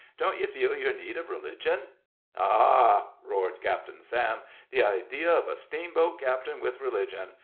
"Don't you feel your need of religion?" "Ha! ha!" roared Captain Sam; "the idea of a steamboat captain with religion!